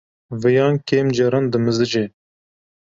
Viyan kêm caran dimizice.